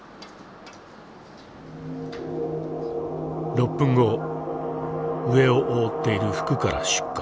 ６分後上を覆っている服から出火。